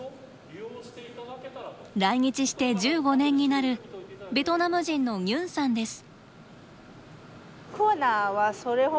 来日して１５年になるベトナム人のニュンさんです。